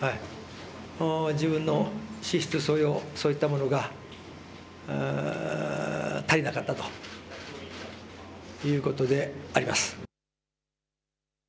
自分の資質、素養そういったものが足りなかったということであります。